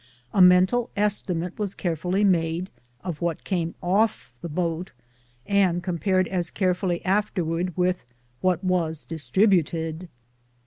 A mental estimate was carefully made of what came off the boat, and compared as carefully afterwards with what was distributed.